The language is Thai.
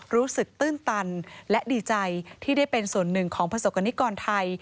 ตื้นตันและดีใจที่ได้เป็นส่วนหนึ่งของประสบกรณิกรไทย